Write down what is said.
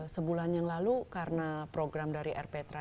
sebulan yang lalu karena program dari elf petra